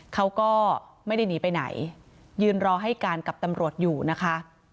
เขาก็ไม่ได้หนีไปไหนยืนรอให้การกับตำรวจอยู่นะคะ